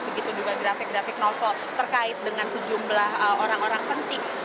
begitu juga grafik david novel terkait dengan sejumlah orang orang penting